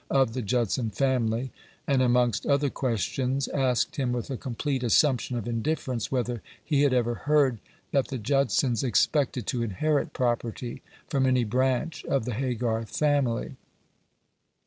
of the Judson family, and amongst other questions, asked him with a complete assumption of indifference, whether he had ever heard that the Judsons expected to inherit property from any branch of the Haygarth family.